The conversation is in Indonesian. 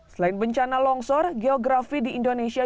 selain bencana longsor geografi di indonesia